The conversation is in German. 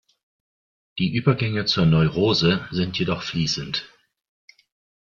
Die Übergänge zur Neurose sind jedoch fließend.